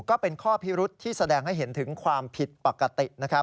ก็เป็นข้อพิรุษที่แสดงให้เห็นถึงความผิดปกตินะครับ